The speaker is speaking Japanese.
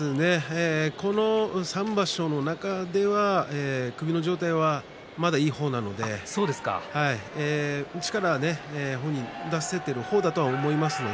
ここ３場所の中では首の状態は、まだいい方なので力は本人、出せている方だと思います。